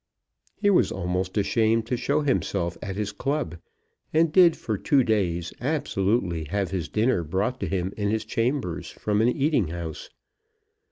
He was almost ashamed to show himself at his club, and did for two days absolutely have his dinner brought to him in his chambers from an eating house.